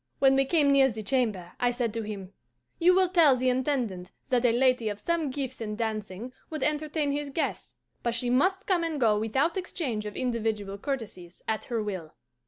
When we came near the chamber, I said to him, 'You will tell the Intendant that a lady of some gifts in dancing would entertain his guests; but she must come and go without exchange of individual courtesies, at her will.